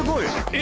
え？